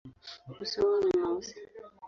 Uso wao ni mweusi.